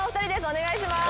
お願いします。